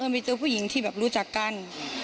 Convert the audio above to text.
ก็มายิงเลย